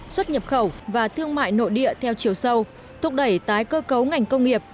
xuất nhập khẩu và thương mại nội địa theo chiều sâu thúc đẩy tái cơ cấu ngành công nghiệp